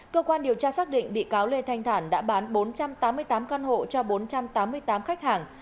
cơ quan điều tra xác định bị cáo lê thanh thản đã bán bốn trăm tám mươi tám căn hộ cho bốn trăm tám mươi tám khách hàng